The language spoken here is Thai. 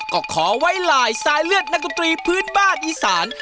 ก็ขอไว้หลายสายเลือดนักดนตรีพื้นบ้านอีสาน